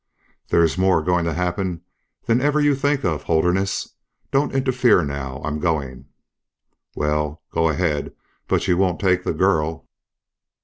"There's more going to happen than ever you think of, Holderness. Don't interfere now, I'm going." "Well, go ahead but you won't take the girl!"